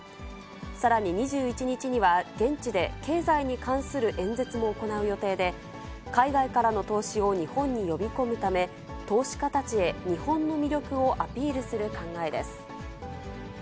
さらに２１日には、現地で経済に関する演説も行う予定で、海外からの投資を日本に呼び込むため、投資家たちへ、日本の魅力をアピールする考えです。